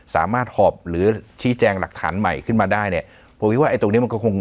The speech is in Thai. หอบหรือชี้แจงหลักฐานใหม่ขึ้นมาได้เนี่ยผมคิดว่าไอ้ตรงเนี้ยมันก็คง